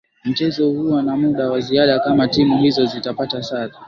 mchezo huwa na muda wa ziada kama timu hizo zitapata sare